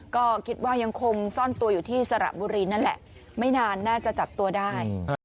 ก็คิดว่ายังคงซ่อนตัวอยู่ที่สระบุรีนั่นแหละไม่นานน่าจะจับตัวได้